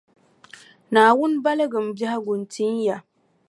Naawuni baligimi biɛhigu n-tin ya.